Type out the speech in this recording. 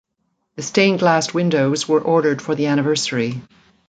The stained glass windows were ordered for the anniversary.